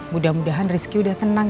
mudah mudahan rizky udah tenang